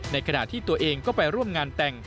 ในขณะที่ตัวเองก็ไปร่วมงานแต่ง